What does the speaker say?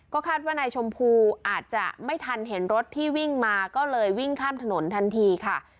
คาดว่านายชมพูอาจจะไม่ทันเห็นรถที่วิ่งมาก็เลยวิ่งข้ามถนนทันทีค่ะ